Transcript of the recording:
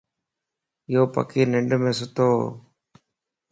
يوپڪي ننڍم ستووَ